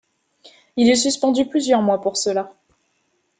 Il est suspendu plusieurs mois pour cela.